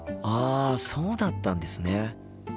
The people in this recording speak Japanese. あそうだったんですね。